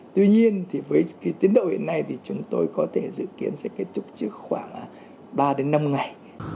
tuy nhiên với tiến độ hiện nay chúng tôi có thể dự kiến sẽ kết thúc trước khoảng ba năm ngày